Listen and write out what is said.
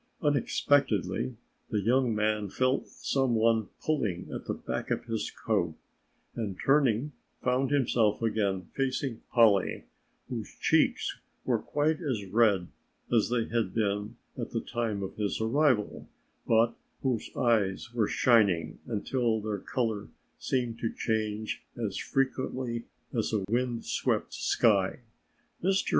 Unexpectedly the young man felt some one pulling at the back of his coat and turning found himself again facing Polly, whose cheeks were quite as red as they had been at the time of his arrival, but whose eyes were shining until their color seemed to change as frequently as a wind swept sky. "Mr.